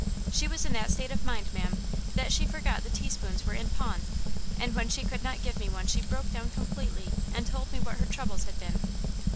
She was in that state of mind, ma'am, that she forgot the teaspoons were in pawn, and when she could not give me one she broke down completely, and told me what her troubles had been."